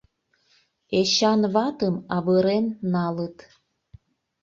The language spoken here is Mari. Эчан ватым авырен налыт.